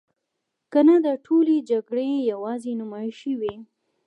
کنه دا ټولې جګړې یوازې نمایشي وي.